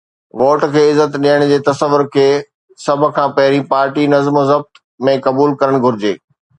Vote کي عزت ڏيڻ جي تصور کي سڀ کان پهرين پارٽي نظم و ضبط ۾ قبول ڪرڻ گهرجي.